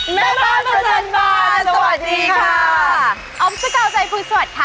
แม่บ้านประจันบานสวัสดีค่ะออมสกาวใจคุณสวัสดีค่ะ